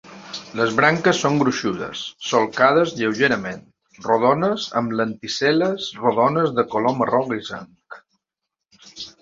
Les branques són gruixudes, solcades lleugerament, rodones, amb lenticel·les rodones de color marró grisenc.